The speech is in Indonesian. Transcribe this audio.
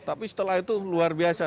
tapi setelah itu luar biasa